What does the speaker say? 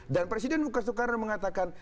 dan presiden soekarno mengatakan